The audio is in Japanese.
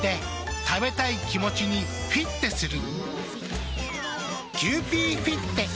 食べたい気持ちにフィッテする。